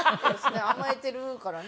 甘えてるからね。